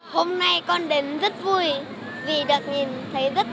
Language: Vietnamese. hôm nay con đến rất vui vì được nhìn thấy rất nhiều các bạn